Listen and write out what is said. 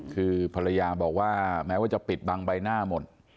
คือภรรยาบอกว่าแม้ว่าจะปิดบังใบหน้าหมด